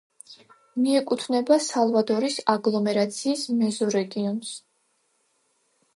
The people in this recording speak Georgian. მიეკუთვნება სალვადორის აგლომერაციის მეზორეგიონს.